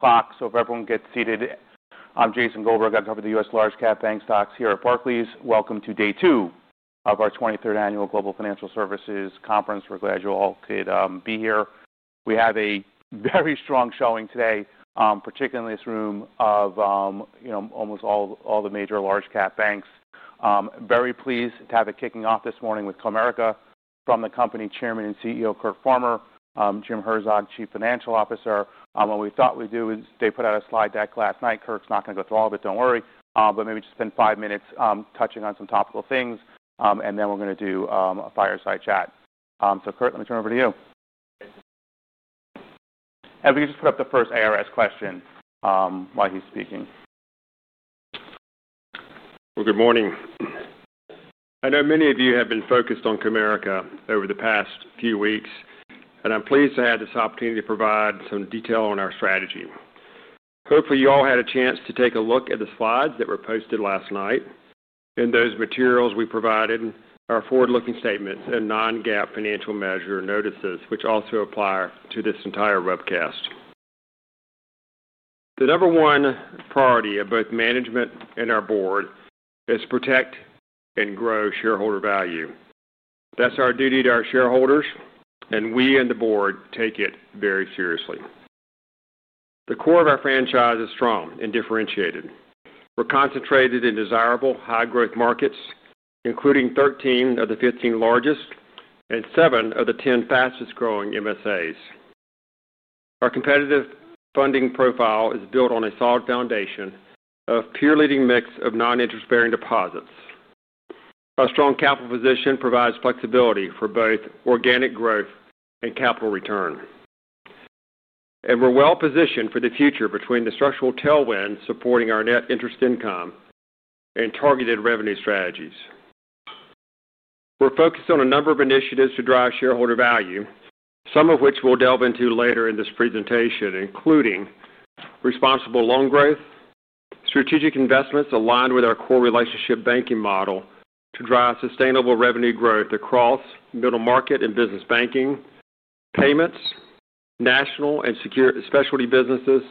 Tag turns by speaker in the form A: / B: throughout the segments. A: If everyone gets seated, I'm Jason Goldberg. I cover the U.S. large-cap bank stocks here at Barclays. Welcome to day two of our 23rd Annual Global Financial Services Conference. We're glad you all could be here. We have a very strong showing today, particularly in this room of almost all the major large-cap banks. I'm very pleased to have it kicking off this morning with Comerica from the company Chairman and CEO, Curt Farmer, and Jim Herzog, Chief Financial Officer. What we thought we'd do is they put out a slide deck last night. Curt's not going to go through all of it, don't worry. Maybe just spend five minutes touching on some topical things, and then we're going to do a fireside chat. Curt, let me turn it over to you. If you could just put up the first ARS question while he's speaking.
B: Good morning. I know many of you have been focused on Comerica over the past few weeks, and I'm pleased to have this opportunity to provide some detail on our strategy. Hopefully, you all had a chance to take a look at the slides that were posted last night. In those materials we provided are forward-looking statements and non-GAAP financial measure notices, which also apply to this entire webcast. The number one priority of both management and our board is to protect and grow shareholder value. That's our duty to our shareholders, and we and the board take it very seriously. The core of our franchise is strong and differentiated. We're concentrated in desirable high-growth markets, including 13 of the 15 largest and 7 of the 10 fastest-growing MSAs. Our competitive funding profile is built on a solid foundation of a pure leading mix of non-interest-bearing deposits. Our strong capital position provides flexibility for both organic growth and capital return. We're well positioned for the future between the structural tailwinds supporting our net interest income and targeted revenue strategies. We're focused on a number of initiatives to drive shareholder value, some of which we'll delve into later in this presentation, including responsible loan growth, strategic investments aligned with our core relationship banking model to drive sustainable revenue growth across middle market and business banking, payments, national and secured specialty businesses,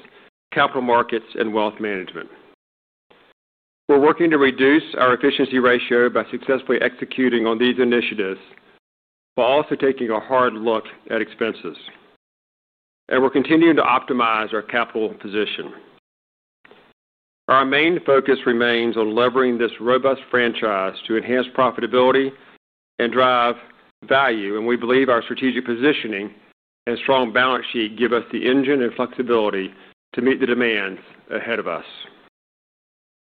B: capital markets, and wealth management. We're working to reduce our efficiency ratio by successfully executing on these initiatives while also taking a hard look at expenses. We're continuing to optimize our capital position. Our main focus remains on levering this robust franchise to enhance profitability and drive value, and we believe our strategic positioning and strong balance sheet give us the engine and flexibility to meet the demands ahead of us.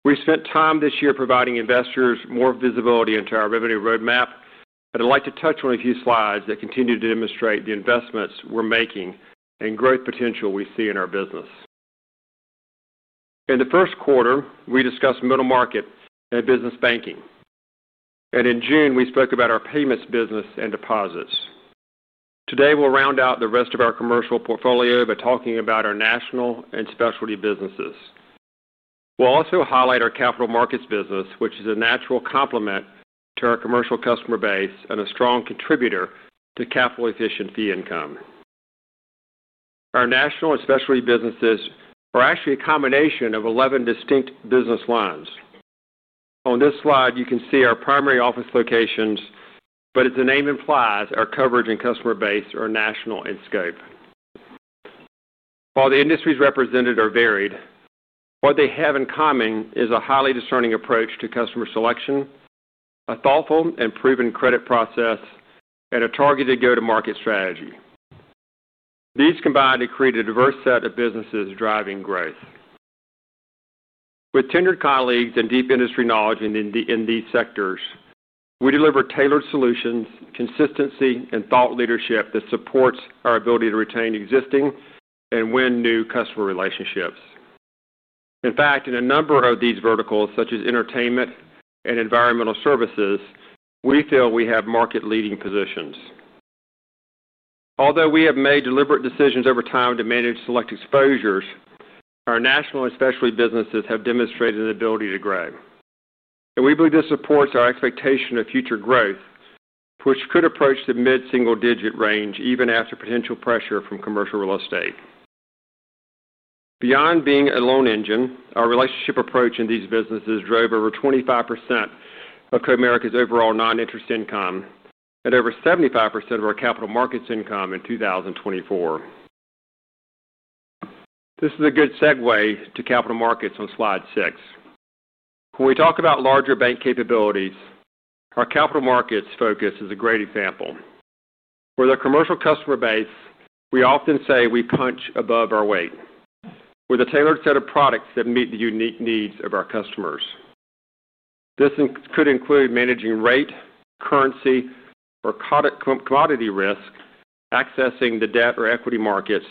B: We spent time this year providing investors more visibility into our revenue roadmap, and I'd like to touch on a few slides that continue to demonstrate the investments we're making and growth potential we see in our business. In the first quarter, we discussed middle market and business banking. In June, we spoke about our payments business and deposits. Today, we'll round out the rest of our commercial portfolio by talking about our national and specialty businesses. We'll also highlight our capital markets business, which is a natural complement to our commercial customer base and a strong contributor to capital efficiency income. Our national and specialty businesses are actually a combination of 11 distinct business lines. On this slide, you can see our primary office locations, but as the name implies, our coverage and customer base are national in scope. While the industries represented are varied, what they have in common is a highly discerning approach to customer selection, a thoughtful and proven credit process, and a targeted go-to-market strategy. These combine to create a diverse set of businesses driving growth. With tenured colleagues and deep industry knowledge in these sectors, we deliver tailored solutions, consistency, and thought leadership that supports our ability to retain existing and win new customer relationships. In fact, in a number of these verticals, such as entertainment and environmental services, we feel we have market-leading positions. Although we have made deliberate decisions over time to manage select exposures, our national and specialty businesses have demonstrated an ability to grow. We believe this supports our expectation of future growth, which could approach the mid-single-digit range even after potential pressure from commercial real estate. Beyond being a loan engine, our relationship approach in these businesses drove over 25% of Comerica's overall non-interest income and over 75% of our capital markets income in 2024. This is a good segue to capital markets on slide six. When we talk about larger bank capabilities, our capital markets focus is a great example. With our commercial customer base, we often say we punch above our weight with a tailored set of products that meet the unique needs of our customers. This could include managing rate, currency, or commodity risk, accessing the debt or equity markets,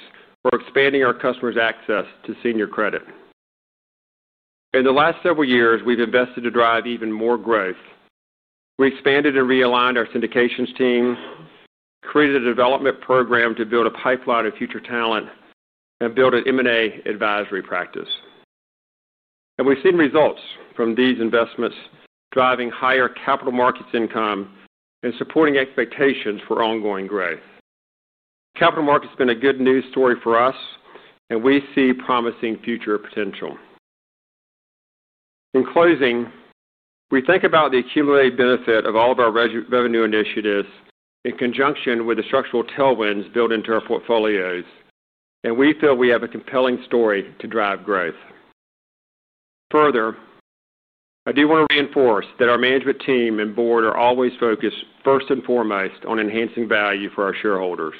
B: or expanding our customers' access to senior credit. In the last several years, we've invested to drive even more growth. We expanded and realigned our syndications team, created a development program to build a pipeline of future talent, and built an M&A advisory practice. We've seen results from these investments driving higher capital markets income and supporting expectations for ongoing growth. Capital markets have been a good news story for us, and we see promising future potential. In closing, we think about the accumulated benefit of all of our revenue initiatives in conjunction with the structural tailwinds built into our portfolios, and we feel we have a compelling story to drive growth. Further, I do want to reinforce that our management team and board are always focused first and foremost on enhancing value for our shareholders.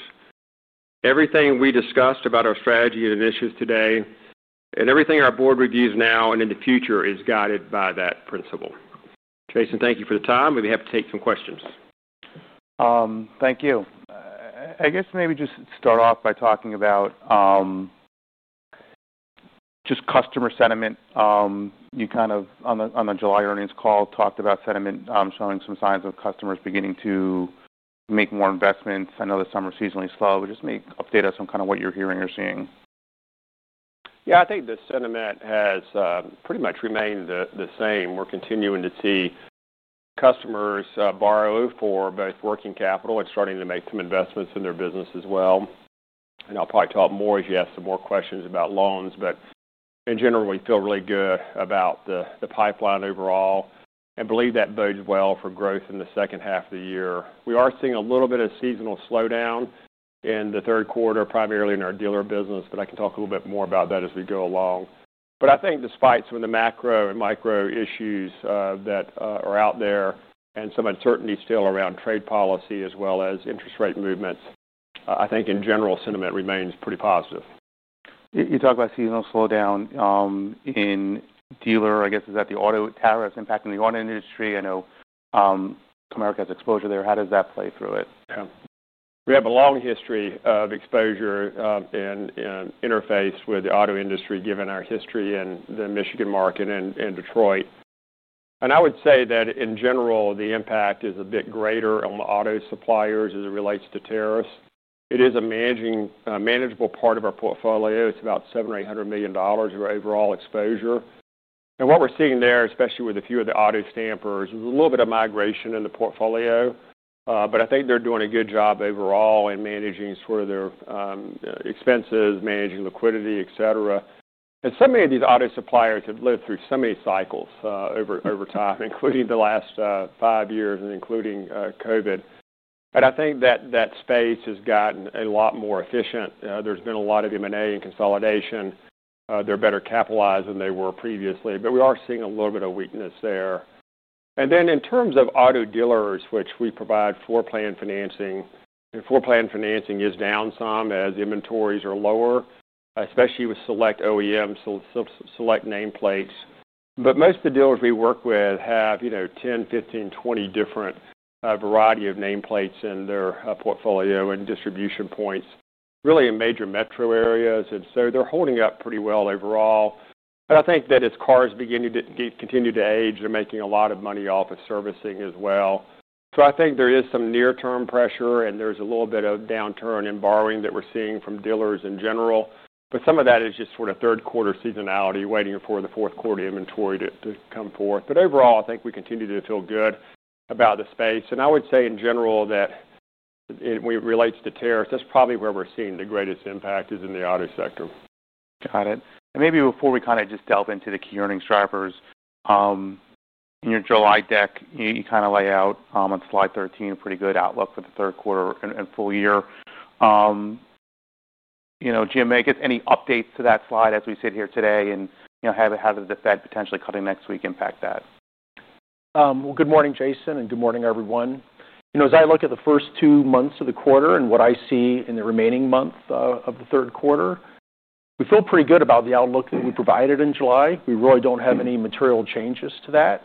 B: Everything we discussed about our strategy and initiatives today and everything our board reviews now and in the future is guided by that principle. Jason, thank you for the time. We'd be happy to take some questions.
A: Thank you. I guess maybe just start off by talking about just customer sentiment. You kind of, on the July earnings call, talked about sentiment showing some signs of customers beginning to make more investments. I know the summer season is slow, but just maybe update us on kind of what you're hearing or seeing.
B: I think the sentiment has pretty much remained the same. We're continuing to see customers borrow for both working capital and starting to make some investments in their business as well. I'll probably talk more as you ask some more questions about loans, but in general, we feel really good about the pipeline overall and believe that bodes well for growth in the second half of the year. We are seeing a little bit of seasonal slowdown in the third quarter, primarily in our dealer business. I can talk a little bit more about that as we go along. I think despite some of the macro and micro issues that are out there and some uncertainty still around trade policy as well as interest rate movements, I think in general, sentiment remains pretty positive.
A: You talk about seasonal slowdown in dealer, I guess, is that the auto tariffs impacting the auto industry? I know Comerica's exposure there. How does that play through it?
B: Yeah. We have a long history of exposure and interface with the auto industry, given our history in the Michigan market and Detroit. I would say that in general, the impact is a bit greater on the auto suppliers as it relates to tariffs. It is a manageable part of our portfolio. It's about $700 or $800 million of our overall exposure. What we're seeing there, especially with a few of the auto stampers, is a little bit of migration in the portfolio. I think they're doing a good job overall in managing sort of their expenses, managing liquidity, etc. Many of these auto suppliers have lived through so many cycles over time, including the last five years and including COVID. I think that space has gotten a lot more efficient. There's been a lot of M&A and consolidation. They're better capitalized than they were previously, but we are seeing a little bit of weakness there. In terms of auto dealers, which we provide floor plan financing, floor plan financing is down some as inventories are lower, especially with select OEMs, select nameplates. Most of the dealers we work with have, you know, 10, 15, 20 different varieties of nameplates in their portfolio and distribution points, really in major metro areas. They're holding up pretty well overall. I think that as cars continue to age, they're making a lot of money off of servicing as well. I think there is some near-term pressure and there's a little bit of downturn in borrowing that we're seeing from dealers in general. Some of that is just sort of third-quarter seasonality waiting for the fourth quarter inventory to come forth. Overall, I think we continue to feel good about the space. I would say in general that when it relates to tariffs, that's probably where we're seeing the greatest impact is in the auto sector.
A: Got it. Maybe before we kind of just delve into the key earnings drivers, in your July deck, you kind of lay out on slide 13 a pretty good outlook for the third quarter and full year. Jim, may I get any updates to that slide as we sit here today, and how does the Fed potentially cutting next week impact that?
C: Good morning, Jason, and good morning, everyone. As I look at the first two months of the quarter and what I see in the remaining month of the third quarter, we feel pretty good about the outlook that we provided in July. We really don't have any material changes to that.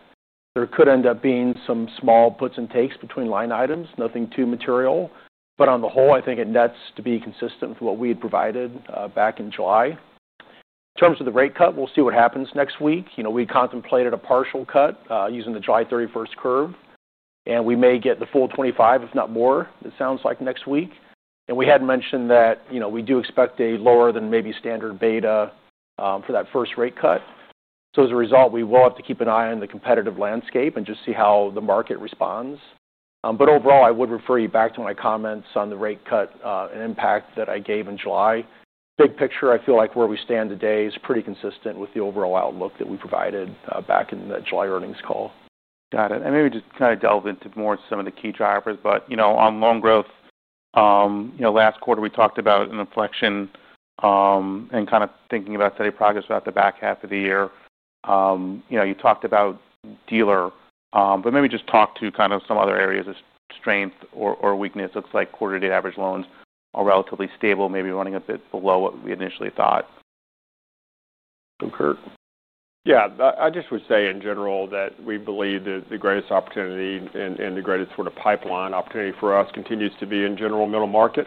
C: There could end up being some small puts and takes between line items, nothing too material. On the whole, I think it nets to be consistent with what we had provided back in July. In terms of the rate cut, we'll see what happens next week. We contemplated a partial cut using the July 31 curve, and we may get the full 25, if not more, it sounds like next week. We had mentioned that we do expect a lower than maybe standard beta for that first rate cut. As a result, we will have to keep an eye on the competitive landscape and just see how the market responds. Overall, I would refer you back to my comments on the rate cut and impact that I gave in July. Big picture, I feel like where we stand today is pretty consistent with the overall outlook that we provided back in that July earnings call.
A: Got it. Maybe just kind of delve into more of some of the key drivers. On loan growth, last quarter we talked about an inflection and kind of thinking about today's progress about the back half of the year. You talked about dealer, but maybe just talk to kind of some other areas of strength or weakness. It looks like quarterly average loans are relatively stable, maybe running a bit below what we initially thought. Oh, Curt.
B: Yeah, I just would say in general that we believe that the greatest opportunity and the greatest sort of pipeline opportunity for us continues to be in general middle market,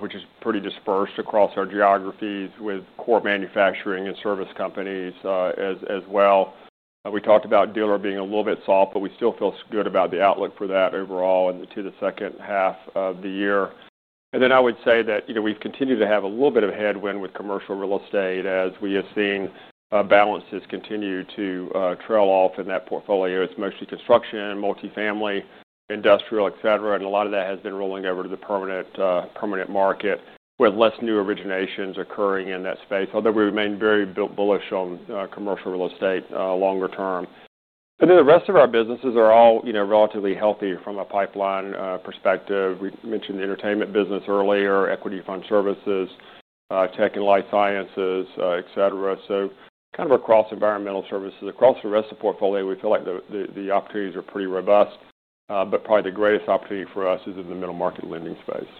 B: which is pretty dispersed across our geographies with core manufacturing and service companies as well. We talked about dealer being a little bit soft, but we still feel good about the outlook for that overall in the second half of the year. I would say that, you know, we've continued to have a little bit of headwind with commercial real estate as we have seen balances continue to trail off in that portfolio. It's mostly construction, multifamily, industrial, etc. A lot of that has been rolling over to the permanent market with less new originations occurring in that space. Although we remain very bullish on commercial real estate longer term. The rest of our businesses are all, you know, relatively healthy from a pipeline perspective. We mentioned the entertainment business earlier, equity fund services, tech and life sciences, etc. Kind of across environmental services, across the rest of the portfolio, we feel like the opportunities are pretty robust. Probably the greatest opportunity for us is in the middle market lending space.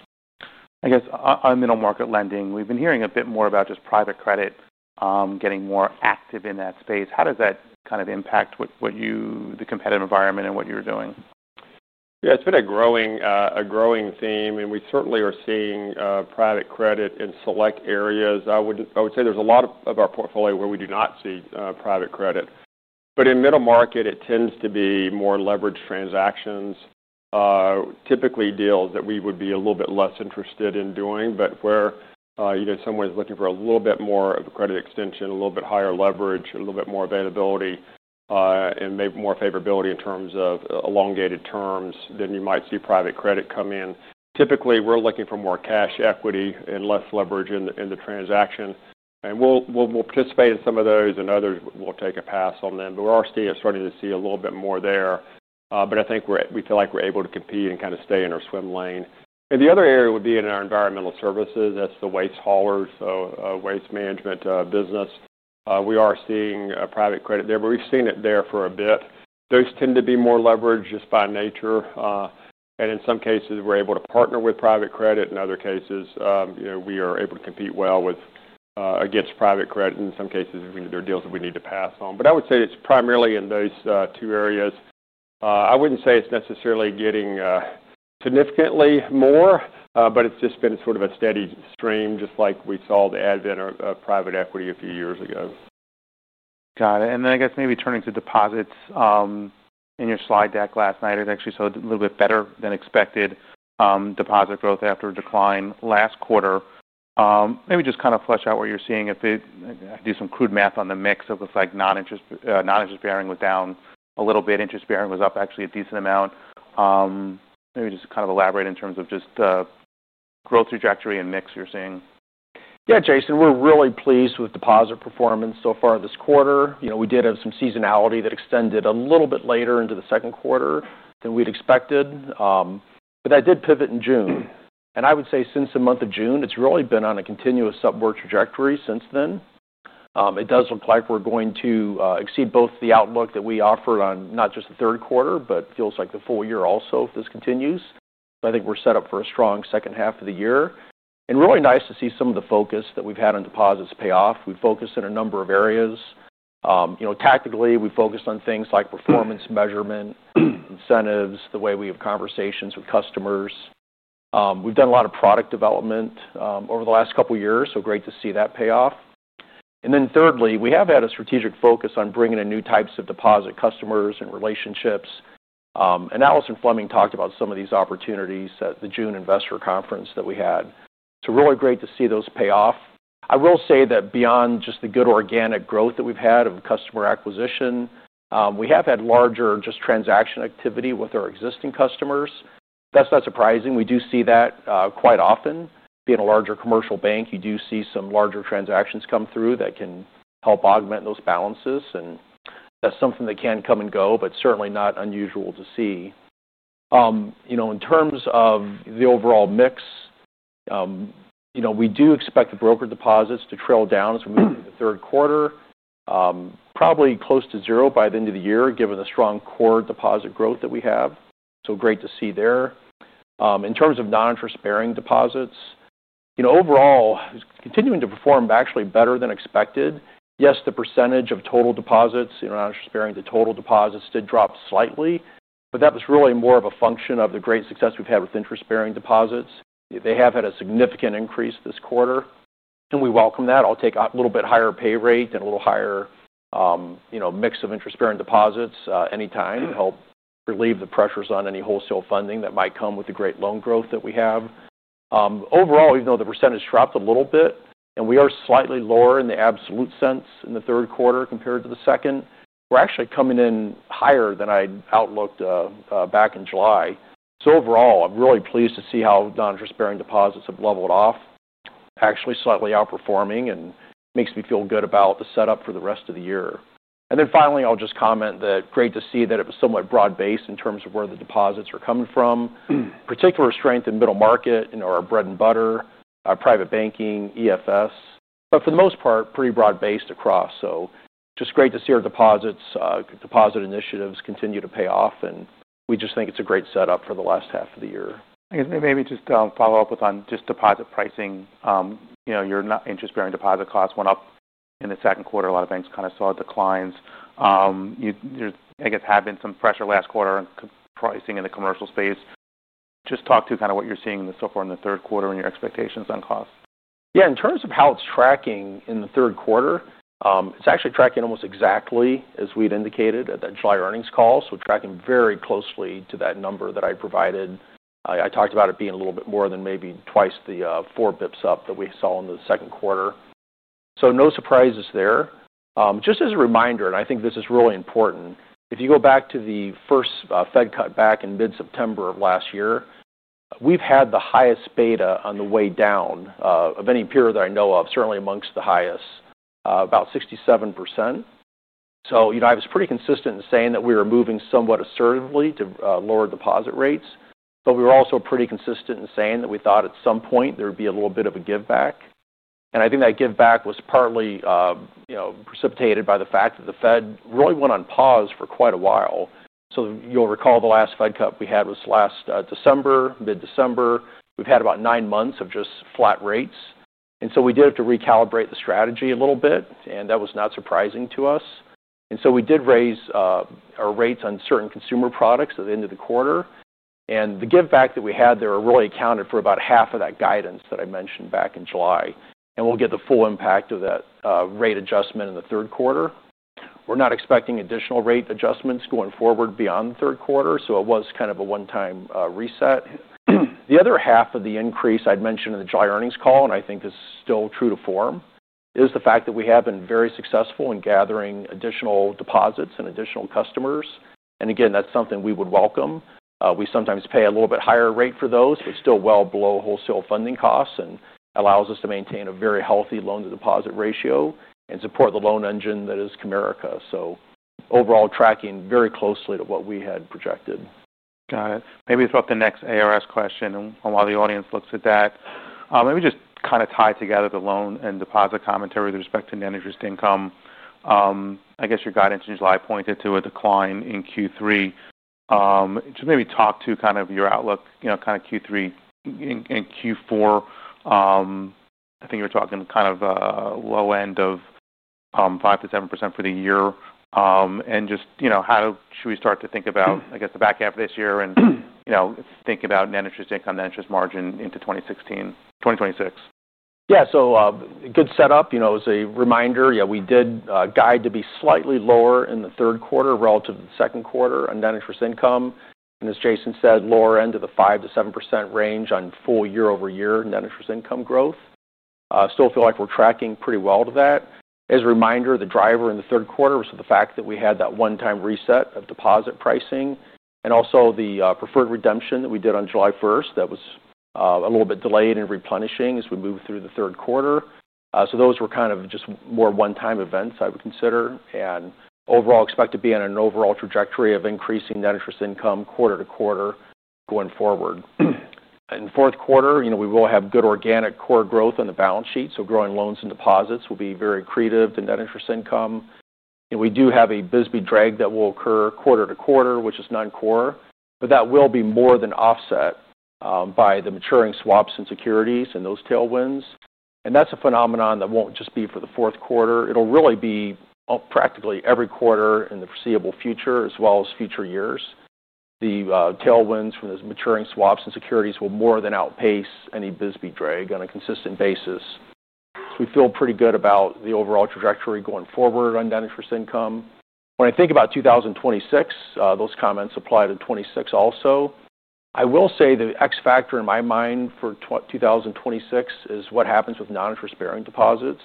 A: I guess on middle market lending, we've been hearing a bit more about just private credit getting more active in that space. How does that kind of impact what you, the competitive environment, and what you're doing?
B: Yeah, it's been a growing theme. We certainly are seeing private credit in select areas. I would say there's a lot of our portfolio where we do not see private credit. In middle market, it tends to be more leveraged transactions, typically deals that we would be a little bit less interested in doing, where someone is looking for a little bit more of a credit extension, a little bit higher leverage, a little bit more availability, and maybe more favorability in terms of elongated terms than you might see private credit come in. Typically, we're looking for more cash equity and less leverage in the transaction. We'll participate in some of those, and others we'll take a pass on them. We are starting to see a little bit more there. I think we feel like we're able to compete and kind of stay in our swim lane. The other area would be in our environmental services. That's the waste haulers, so waste management business. We are seeing private credit there, but we've seen it there for a bit. Those tend to be more leveraged just by nature. In some cases, we're able to partner with private credit. In other cases, we are able to compete well against private credit. In some cases, there are deals that we need to pass on. I would say it's primarily in those two areas. I wouldn't say it's necessarily getting significantly more, it's just been sort of a steady stream, just like we saw the advent of private equity a few years ago.
A: Got it. I guess maybe turning to deposits, in your slide deck last night, it actually showed a little bit better than expected deposit growth after a decline last quarter. Maybe just kind of flesh out what you're seeing. If I do some crude math on the mix of non-interest bearing was down a little bit. Interest bearing was up actually a decent amount. Maybe just kind of elaborate in terms of just the growth trajectory and mix you're seeing.
C: Yeah, Jason, we're really pleased with deposit performance so far this quarter. We did have some seasonality that extended a little bit later into the second quarter than we'd expected, but that did pivot in June. I would say since the month of June, it's really been on a continuous upward trajectory since then. It does look like we're going to exceed both the outlook that we offered on not just the third quarter, but it feels like the full year also if this continues. I think we're set up for a strong second half of the year. It's really nice to see some of the focus that we've had on deposits pay off. We've focused on a number of areas. Tactically, we focus on things like performance measurement, incentives, the way we have conversations with customers. We've done a lot of product development over the last couple of years, so great to see that pay off. Thirdly, we have had a strategic focus on bringing in new types of deposit customers and relationships. Alison Fleming talked about some of these opportunities at the June Investor Conference that we had. It's really great to see those pay off. I will say that beyond just the good organic growth that we've had of customer acquisition, we have had larger transaction activity with our existing customers. That's not surprising. We do see that quite often. Being a larger commercial bank, you do see some larger transactions come through that can help augment those balances. That's something that can come and go, but certainly not unusual to see. In terms of the overall mix, we do expect the brokered deposits to trail down as we move through the third quarter, probably close to zero by the end of the year, given the strong core deposit growth that we have. Great to see there. In terms of non-interest bearing deposits, overall, continuing to perform actually better than expected. Yes, the percentage of total deposits, non-interest bearing to total deposits, did drop slightly, but that was really more of a function of the great success we've had with interest bearing deposits. They have had a significant increase this quarter, and we welcome that. I'll take a little bit higher pay rate and a little higher mix of interest bearing deposits any time to help relieve the pressures on any wholesale funding that might come with the great loan growth that we have. Overall, even though the percentage dropped a little bit and we are slightly lower in the absolute sense in the third quarter compared to the second, we're actually coming in higher than I outlooked back in July. Overall, I'm really pleased to see how non-interest bearing deposits have leveled off, actually slightly outperforming, and makes me feel good about the setup for the rest of the year. Finally, I'll just comment that it's great to see that it was somewhat broad-based in terms of where the deposits are coming from. Particular strength in middle market, you know, our bread and butter, private banking, EFS, but for the most part, pretty broad-based across. Just great to see our deposits, deposit initiatives continue to pay off, and we just think it's a great setup for the last half of the year.
A: I guess maybe just to follow up on deposit pricing, your interest bearing deposit costs went up in the second quarter. A lot of banks saw declines. There had been some pressure last quarter on pricing in the commercial space. Just talk to what you're seeing so far in the third quarter and your expectations on costs.
C: Yeah, in terms of how it's tracking in the third quarter, it's actually tracking almost exactly as we had indicated at that July earnings call. We're tracking very closely to that number that I provided. I talked about it being a little bit more than maybe twice the four bps up that we saw in the second quarter. No surprises there. Just as a reminder, and I think this is really important, if you go back to the first Fed cut back in mid-September of last year, we've had the highest beta on the way down of any period that I know of, certainly amongst the highest, about 67%. I was pretty consistent in saying that we were moving somewhat assertively to lower deposit rates, but we were also pretty consistent in saying that we thought at some point there would be a little bit of a give-back. I think that give-back was partly precipitated by the fact that the Fed really went on pause for quite a while. You'll recall the last Fed cut we had was last December, mid-December. We've had about nine months of just flat rates. We did have to recalibrate the strategy a little bit, and that was not surprising to us. We did raise our rates on certain consumer products at the end of the quarter. The give-back that we had there really accounted for about half of that guidance that I mentioned back in July. We'll get the full impact of that rate adjustment in the third quarter. We're not expecting additional rate adjustments going forward beyond the third quarter. It was kind of a one-time reset. The other half of the increase I'd mentioned in the July earnings call, and I think this is still true to form, is the fact that we have been very successful in gathering additional deposits and additional customers. Again, that's something we would welcome. We sometimes pay a little bit higher rate for those, but still well below wholesale funding costs and allows us to maintain a very healthy loan-to-deposit ratio and support the loan engine that is Comerica. Overall, tracking very closely to what we had projected.
A: Got it. Maybe throughout the next ARS question, and while the audience looks at that, maybe just kind of tie together the loan and deposit commentary with respect to net interest income. I guess your guidance in July pointed to a decline in Q3. Just maybe talk to kind of your outlook, you know, kind of Q3 and Q4. I think you were talking kind of a low end of 5% to 7% for the year. Just, you know, how do we start to think about, I guess, the back half of this year and, you know, think about net interest income, net interest margin into 2026?
C: Yeah, good setup. As a reminder, we did guide to be slightly lower in the third quarter relative to the second quarter on net interest income. As Jason said, lower end of the 5% to 7% range on full year-over-year net interest income growth. I still feel like we're tracking pretty well to that. As a reminder, the driver in the third quarter was the fact that we had that one-time reset of deposit pricing and also the preferred redemption that we did on July 1 that was a little bit delayed in replenishing as we moved through the third quarter. Those were just more one-time events I would consider. Overall, expect to be on an overall trajectory of increasing net interest income quarter to quarter going forward. In the fourth quarter, we will have good organic core growth on the balance sheet. Growing loans and deposits will be very accretive to net interest income. We do have a Bisbee drag that will occur quarter to quarter, which is non-core. That will be more than offset by the maturing swaps and securities and those tailwinds. That's a phenomenon that won't just be for the fourth quarter. It'll really be practically every quarter in the foreseeable future as well as future years. The tailwinds from those maturing swaps and securities will more than outpace any Bisbee drag on a consistent basis. We feel pretty good about the overall trajectory going forward on net interest income. When I think about 2026, those comments apply to 2026 also. I will say the X factor in my mind for 2026 is what happens with non-interest bearing deposits.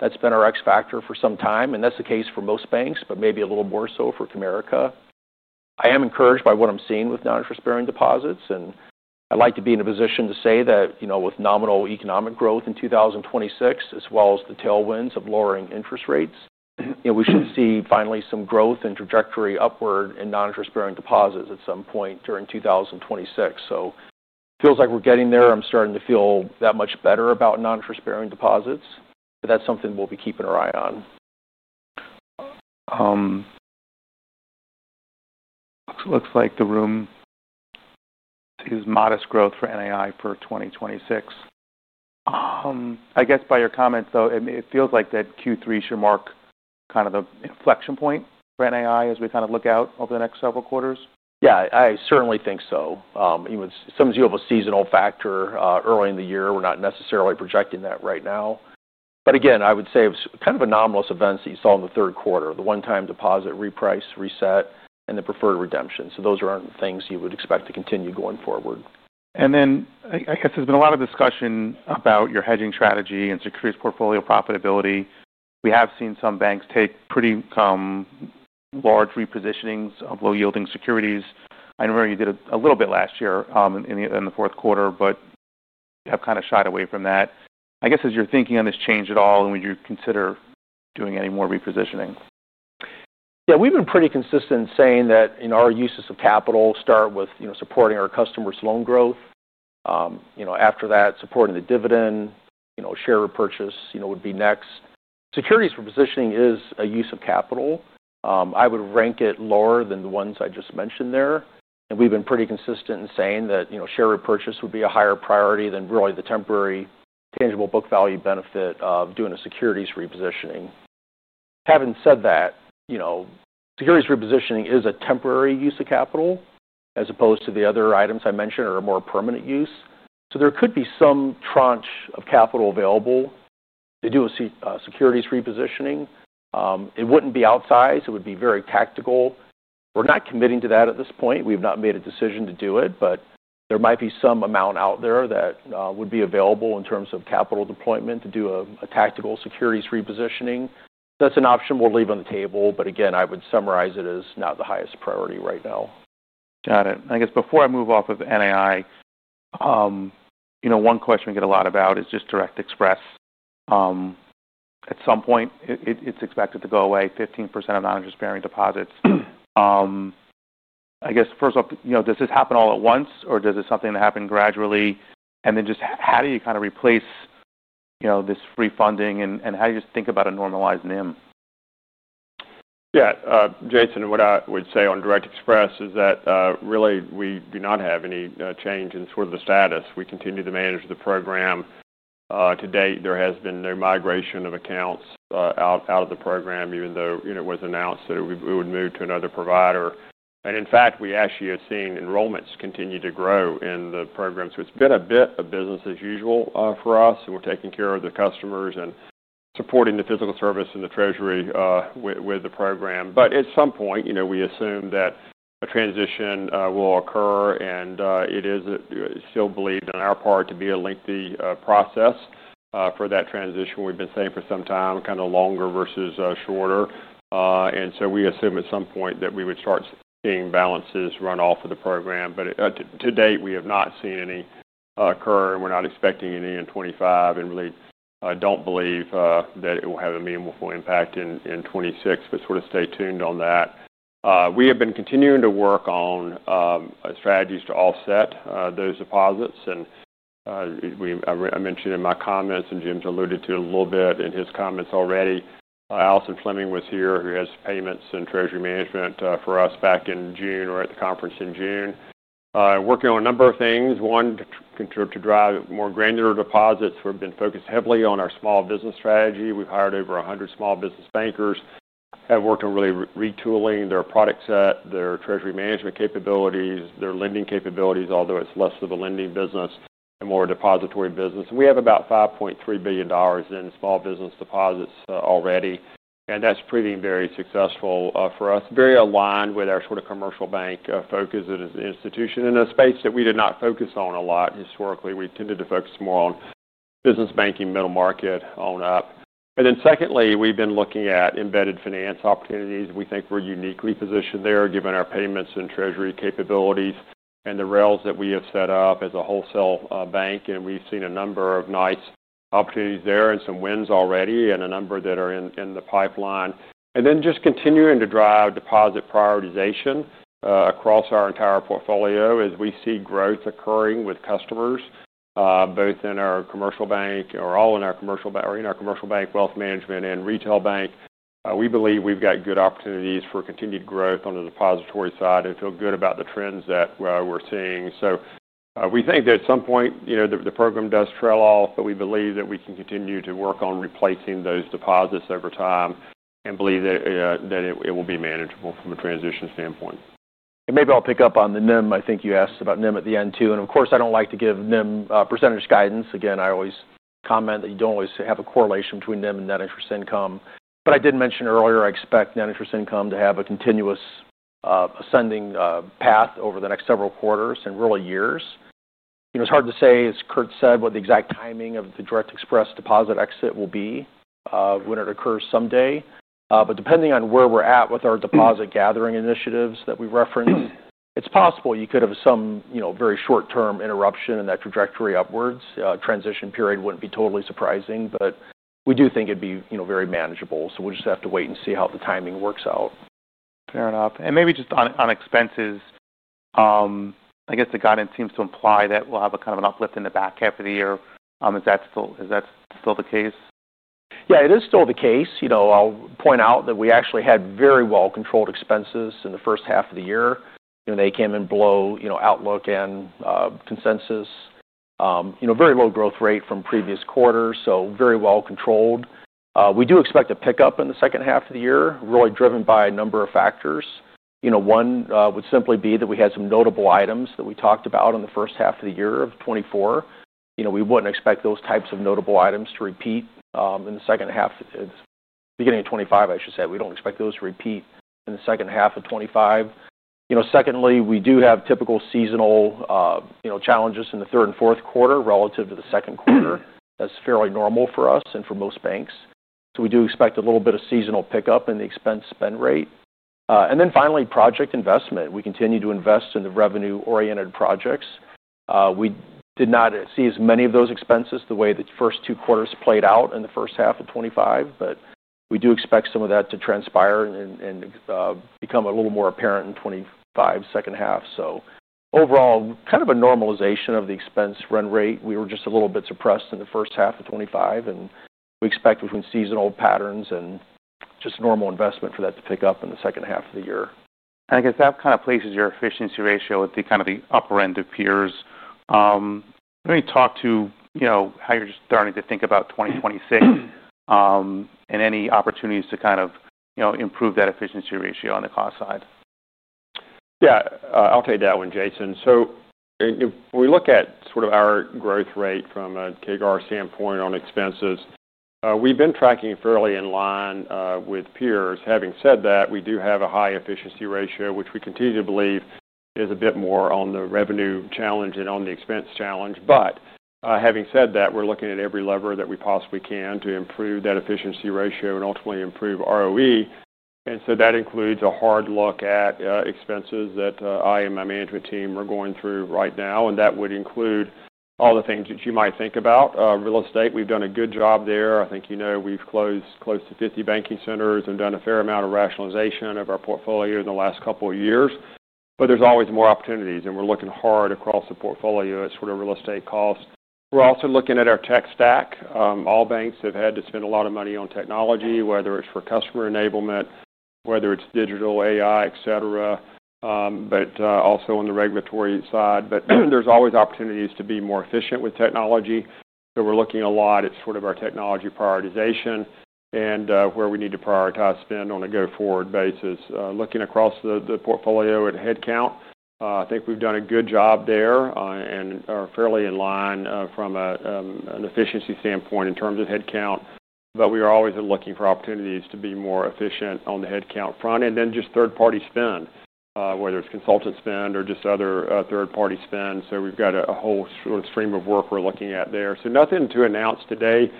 C: That's been our X factor for some time, and that's the case for most banks, but maybe a little more so for Comerica. I am encouraged by what I'm seeing with non-interest bearing deposits, and I'd like to be in a position to say that with nominal economic growth in 2026, as well as the tailwinds of lowering interest rates, we should see finally some growth and trajectory upward in non-interest bearing deposits at some point during 2026. It feels like we're getting there. I'm starting to feel that much better about non-interest bearing deposits, but that's something we'll be keeping our eye on.
A: Looks like the room is modest growth for NAI for 2026. I guess by your comments, though, it feels like that Q3 should mark kind of the inflection point for NAI as we kind of look out over the next several quarters.
C: Yeah, I certainly think so. Sometimes you have a seasonal factor early in the year. We're not necessarily projecting that right now. I would say it was kind of anomalous events that you saw in the third quarter, the one-time deposit reprice, reset, and the preferred redemption. Those are things you would expect to continue going forward.
A: There has been a lot of discussion about your hedging strategy and securities portfolio profitability. We have seen some banks take pretty large repositionings of low-yielding securities. I remember you did a little bit last year in the fourth quarter, but you have kind of shied away from that. As you're thinking on this, has it changed at all? Would you consider doing any more repositioning?
C: Yeah, we've been pretty consistent in saying that our uses of capital start with supporting our customers' loan growth. After that, supporting the dividend, share repurchase would be next. Securities repositioning is a use of capital. I would rank it lower than the ones I just mentioned there. We've been pretty consistent in saying that share repurchase would be a higher priority than really the temporary tangible book value benefit of doing a securities repositioning. Having said that, securities repositioning is a temporary use of capital as opposed to the other items I mentioned, which are a more permanent use. There could be some tranche of capital available to do a securities repositioning. It wouldn't be outsized. It would be very tactical. We're not committing to that at this point. We've not made a decision to do it, but there might be some amount out there that would be available in terms of capital deployment to do a tactical securities repositioning. That's an option we'll leave on the table, but again, I would summarize it as not the highest priority right now.
A: Got it. I guess before I move off of NAI, one question we get a lot about is just Direct Express. At some point, it's expected to go away, 15% of non-interest bearing deposits. First off, does this happen all at once or does this happen gradually? How do you kind of replace this free funding and how do you just think about it normalizing then?
B: Yeah, Jason, what I would say on Direct Express is that really we do not have any change in sort of the status. We continue to manage the program. To date, there has been no migration of accounts out of the program, even though it was announced that we would move to another provider. In fact, we actually have seen enrollments continue to grow in the program. It has been a bit of business as usual for us. We're taking care of the customers and supporting the physical service and the Treasury with the program. At some point, we assume that a transition will occur and it is still believed on our part to be a lengthy process for that transition. We've been saying for some time, kind of longer versus shorter. We assume at some point that we would start seeing balances run off of the program. To date, we have not seen any occur and we're not expecting any in 2025 and really don't believe that it will have a meaningful impact in 2026, but sort of stay tuned on that. We have been continuing to work on strategies to offset those deposits. I mentioned in my comments and Jim's alluded to a little bit in his comments already. Alison Fleming was here, who has Payments and Treasury Management for us, back in June or at the conference in June, and working on a number of things. One, to drive more granular deposits, we've been focused heavily on our small business strategy. We've hired over 100 small business bankers, have worked on really retooling their product set, their Treasury Management capabilities, their lending capabilities, although it's less of a lending business and more a depository business. We have about $5.3 billion in small business deposits already. That's pretty very successful for us, very aligned with our sort of Commercial Bank focus as an institution in a space that we did not focus on a lot historically. We tended to focus more on business banking, middle market, on up. Secondly, we've been looking at embedded finance opportunities. We think we're uniquely positioned there given our Payments and Treasury capabilities and the rails that we have set up as a wholesale bank. We've seen a number of nice opportunities there and some wins already and a number that are in the pipeline. We are continuing to drive deposit prioritization across our entire portfolio as we see growth occurring with customers, both in our Commercial Bank, Wealth Management, and Retail Bank. We believe we've got good opportunities for continued growth on the depository side and feel good about the trends that we're seeing. We think that at some point, the program does trail off, but we believe that we can continue to work on replacing those deposits over time and believe that it will be manageable from a transition standpoint.
C: Maybe I'll pick up on the NIM. I think you asked about NIM at the end too. Of course, I don't like to give NIM % guidance. Again, I always comment that you don't always have a correlation between NIM and net interest income. I did mention earlier, I expect net interest income to have a continuous ascending path over the next several quarters and really years. It's hard to say, as Curt said, what the exact timing of the Direct Express deposit exit will be when it occurs someday. Depending on where we're at with our deposit gathering initiatives that we reference, it's possible you could have some very short-term interruption in that trajectory upwards. A transition period wouldn't be totally surprising, but we do think it'd be very manageable. We'll just have to wait and see how the timing works out.
A: Fair enough. Maybe just on expenses, I guess the guidance seems to imply that we'll have a kind of an uplift in the back half of the year. Is that still the case?
C: Yeah, it is still the case. I'll point out that we actually had very well-controlled expenses in the first half of the year. They came in below outlook and consensus, with a very low growth rate from previous quarters, so very well controlled. We do expect a pickup in the second half of the year, really driven by a number of factors. One would simply be that we had some notable items that we talked about in the first half of the year of 2024. We wouldn't expect those types of notable items to repeat in the second half, beginning of 2025, I should say. We don't expect those to repeat in the second half of 2025. Secondly, we do have typical seasonal challenges in the third and fourth quarter relative to the second quarter. That's fairly normal for us and for most banks. We do expect a little bit of seasonal pickup in the expense spend rate. Finally, project investment. We continue to invest in the revenue-oriented projects. We did not see as many of those expenses the way the first two quarters played out in the first half of 2025, but we do expect some of that to transpire and become a little more apparent in the 2025 second half. Overall, kind of a normalization of the expense run rate. We were just a little bit suppressed in the first half of 2025, and we expect between seasonal patterns and just normal investment for that to pick up in the second half of the year.
A: That kind of places your efficiency ratio at the upper end of peers. Let me talk to how you're just starting to think about 2026 and any opportunities to improve that efficiency ratio on the cost side.
B: Yeah, I'll take that one, Jason. If we look at sort of our growth rate from a CAGR standpoint on expenses, we've been tracking fairly in line with peers. Having said that, we do have a high efficiency ratio, which we continue to believe is a bit more on the revenue challenge than on the expense challenge. Having said that, we're looking at every lever that we possibly can to improve that efficiency ratio and ultimately improve ROE. That includes a hard look at expenses that I and my management team are going through right now. That would include all the things that you might think about. Real estate, we've done a good job there. I think we've closed close to 50 banking centers and done a fair amount of rationalization of our portfolio in the last couple of years. There's always more opportunities, and we're looking hard across the portfolio at sort of real estate costs. We're also looking at our tech stack. All banks have had to spend a lot of money on technology, whether it's for customer enablement, whether it's digital, AI, etc., but also on the regulatory side. There's always opportunities to be more efficient with technology. We're looking a lot at sort of our technology prioritization and where we need to prioritize spend on a go-forward basis. Looking across the portfolio at headcount, I think we've done a good job there and are fairly in line from an efficiency standpoint in terms of headcount. We are always looking for opportunities to be more efficient on the headcount front and then just third-party spend, whether it's consultant spend or just other third-party spend. We've got a whole sort of stream of work we're looking at there. Nothing to announce today,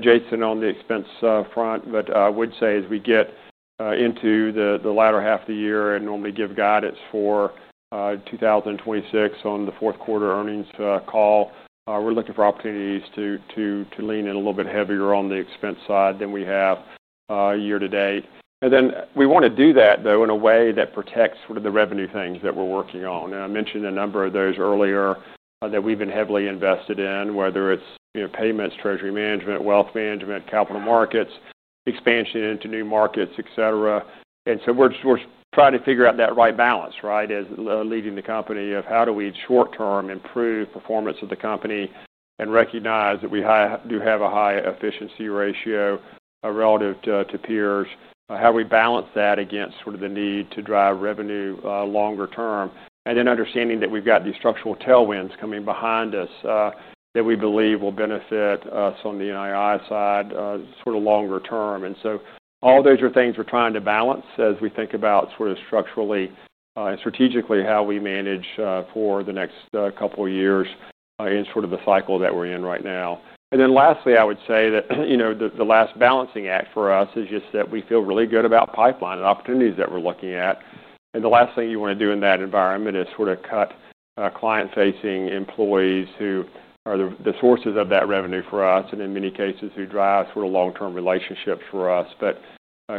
B: Jason, on the expense front. I would say as we get into the latter half of the year and normally give guidance for 2026 on the fourth quarter earnings call, we're looking for opportunities to lean in a little bit heavier on the expense side than we have year to date. We want to do that though in a way that protects sort of the revenue things that we're working on. I mentioned a number of those earlier that we've been heavily invested in, whether it's payments, treasury management, wealth management, capital markets, expansion into new markets, etc. We're trying to figure out that right balance, as leading the company, of how do we short-term improve performance of the company and recognize that we do have a high efficiency ratio relative to peers. How do we balance that against the need to drive revenue longer term? Understanding that we've got these structural tailwinds coming behind us that we believe will benefit us on the NII side longer term, all those are things we're trying to balance as we think about structurally and strategically how we manage for the next couple of years in the cycle that we're in right now. Lastly, I would say that the last balancing act for us is just that we feel really good about pipeline and opportunities that we're looking at. The last thing you want to do in that environment is cut client-facing employees who are the sources of that revenue for us and in many cases who drive long-term relationships for us.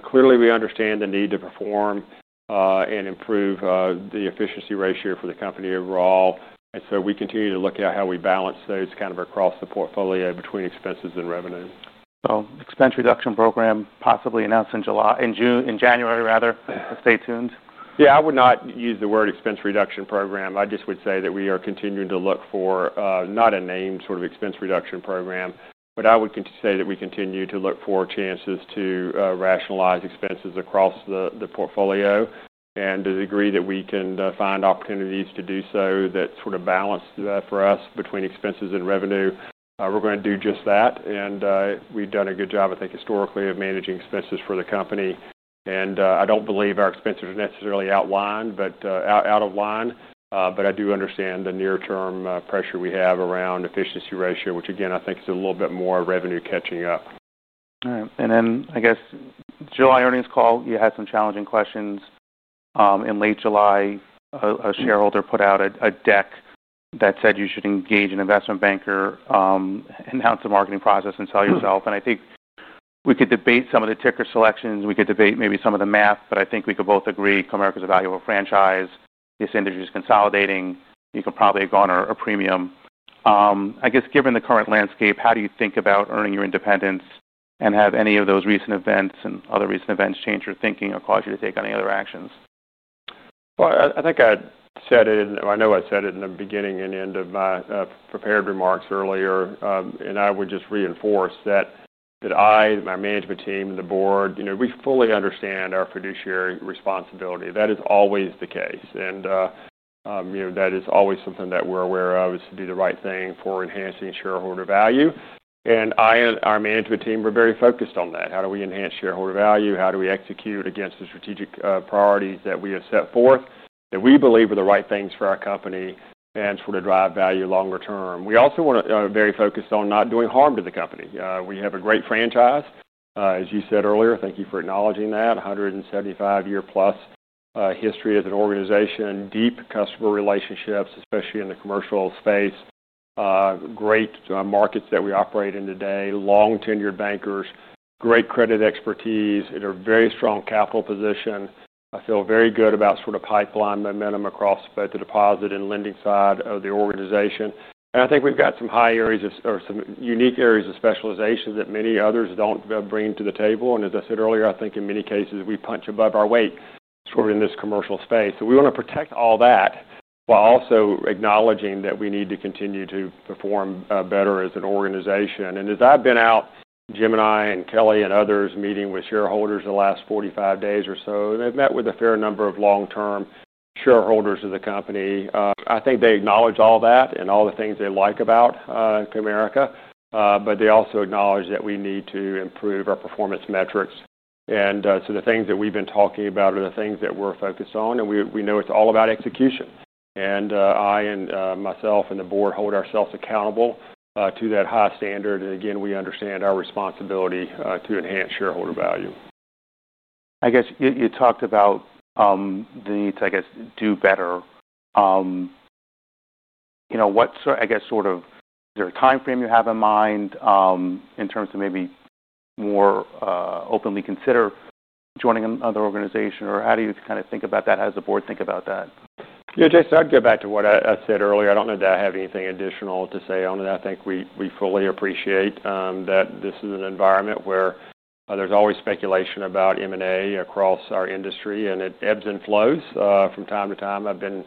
B: Clearly, we understand the need to perform and improve the efficiency ratio for the company overall. We continue to look at how we balance those across the portfolio between expenses and revenue.
A: Expense reduction program possibly announced in January. Stay tuned.
B: Yeah, I would not use the word expense reduction program. I just would say that we are continuing to look for not a named sort of expense reduction program, but I would say that we continue to look for chances to rationalize expenses across the portfolio, and to the degree that we can find opportunities to do so, that sort of balance for us between expenses and revenue, we're going to do just that. We've done a good job, I think, historically of managing expenses for the company. I don't believe our expenses are necessarily out of line, but I do understand the near-term pressure we have around efficiency ratio, which again, I think is a little bit more revenue catching up.
A: All right. I guess July earnings call, you had some challenging questions. In late July, a shareholder put out a deck that said you should engage an investment banker, announce a marketing process, and sell yourself. I think we could debate some of the ticker selections. We could debate maybe some of the math, but I think we could both agree Comerica is a valuable franchise. This industry is consolidating. You could probably have gone to a premium. I guess given the current landscape, how do you think about earning your independence and have any of those recent events and other recent events change your thinking or cause you to take any other actions?
B: I think I said it, and I know I said it in the beginning and end of my prepared remarks earlier, and I would just reinforce that I, my management team, the board, you know, we fully understand our fiduciary responsibility. That is always the case. You know, that is always something that we're aware of, to do the right thing for enhancing shareholder value. I, our management team, we're very focused on that. How do we enhance shareholder value? How do we execute against the strategic priorities that we have set forth that we believe are the right things for our company and sort of drive value longer term? We also are very focused on not doing harm to the company. We have a great franchise, as you said earlier. Thank you for acknowledging that. 175-year plus history as an organization, deep customer relationships, especially in the commercial space, great markets that we operate in today, long tenured bankers, great credit expertise, and a very strong capital position. I feel very good about sort of pipeline momentum across both the deposit and lending side of the organization. I think we've got some high areas or some unique areas of specialization that many others don't bring to the table. As I said earlier, I think in many cases we punch above our weight sort of in this commercial space. We want to protect all that while also acknowledging that we need to continue to perform better as an organization. As I've been out, Jim and I and Kelly and others meeting with shareholders in the last 45 days or so, and they've met with a fair number of long-term shareholders of the company. I think they acknowledge all that and all the things they like about Comerica, but they also acknowledge that we need to improve our performance metrics. The things that we've been talking about are the things that we're focused on. We know it's all about execution. I and myself and the board hold ourselves accountable to that high standard. Again, we understand our responsibility to enhance shareholder value.
A: I guess you talked about the need to do better. What's, I guess, is there a timeframe you have in mind in terms of maybe more openly consider joining another organization? How do you kind of think about that? How does the board think about that?
B: Yeah, Jason, I'd go back to what I said earlier. I don't know that I have anything additional to say. I think we fully appreciate that this is an environment where there's always speculation about M&A across our industry, and it ebbs and flows from time to time. I've been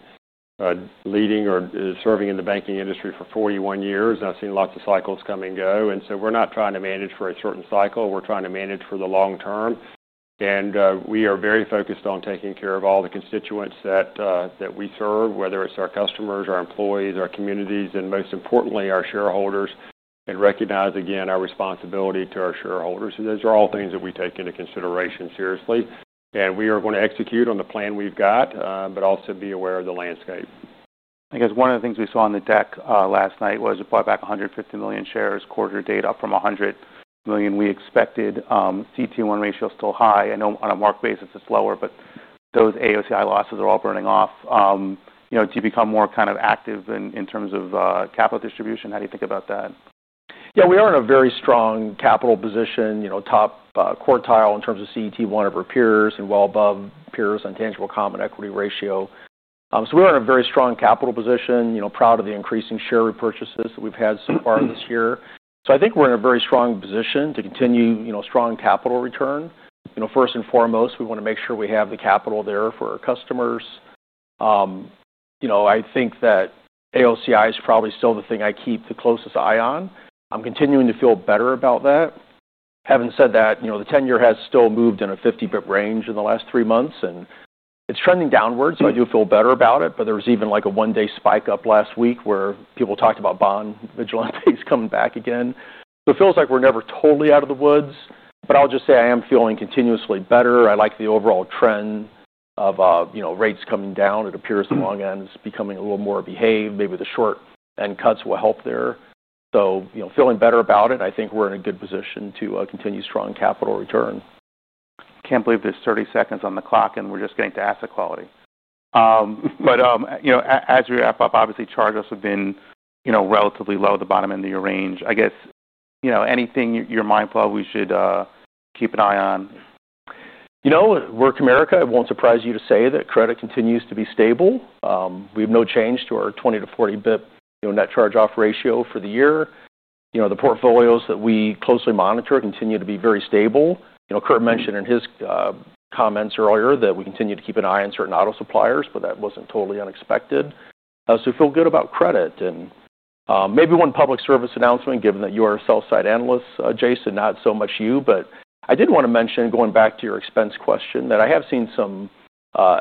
B: leading or serving in the banking industry for 41 years, and I've seen lots of cycles come and go. We're not trying to manage for a certain cycle. We're trying to manage for the long term. We are very focused on taking care of all the constituents that we serve, whether it's our customers, our employees, our communities, and most importantly, our shareholders, and recognize, again, our responsibility to our shareholders. Those are all things that we take into consideration seriously. We are going to execute on the plan we've got, but also be aware of the landscape.
A: I guess one of the things we saw in the deck last night was it bought back $150 million shares, quarter data from $100 million we expected. CET1 ratio is still high. I know on a marked basis it's lower, but those AOCI losses are all burning off. You know, do you become more kind of active in terms of capital distribution? How do you think about that?
C: Yeah, we are in a very strong capital position, you know, top quartile in terms of CET1 of our peers and well above peers on tangible common equity ratio. We are in a very strong capital position, proud of the increasing share repurchases that we've had so far in this year. I think we're in a very strong position to continue, you know, strong capital return. First and foremost, we want to make sure we have the capital there for our customers. I think that AOCI is probably still the thing I keep the closest eye on. I'm continuing to feel better about that. Having said that, the 10-year has still moved in a 50-bps range in the last three months, and it's trending downward. I do feel better about it, but there was even like a one-day spike up last week where people talked about bond vigilantes coming back again. It feels like we're never totally out of the woods, but I'll just say I am feeling continuously better. I like the overall trend of, you know, rates coming down. It appears the long end is becoming a little more behaved. Maybe the short end cuts will help there. You know, feeling better about it. I think we're in a good position to continue strong capital return.
A: Can't believe there's 30 seconds on the clock and we're just getting to asset quality. As we wrap up, obviously charges have been relatively low at the bottom end of the year range. I guess anything you're mindful of we should keep an eye on?
C: You know, we're Comerica. It won't surprise you to say that credit continues to be stable. We have no change to our 20 to 40 bps net charge-off ratio for the year. The portfolios that we closely monitor continue to be very stable. Curt mentioned in his comments earlier that we continue to keep an eye on certain auto suppliers, but that wasn't totally unexpected. I feel good about credit. Maybe one public service announcement, given that you are a sell-side analyst, Jason, not so much you, but I did want to mention, going back to your expense question, that I have seen some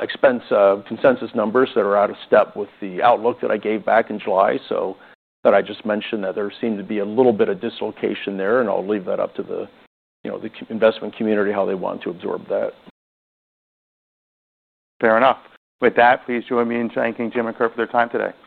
C: expense consensus numbers that are out of step with the outlook that I gave back in July. I just mentioned that there seemed to be a little bit of dislocation there, and I'll leave that up to the investment community how they want to absorb that.
A: Fair enough. With that, please join me in thanking Jim Herzog and Curt Farmer for their time today.